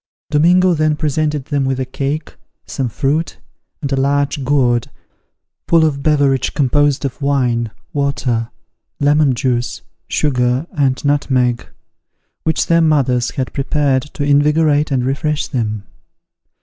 Domingo then presented them with a cake, some fruit, and a large gourd, full of beverage composed of wine, water, lemon juice, sugar, and nutmeg, which their mothers had prepared to invigorate and refresh them.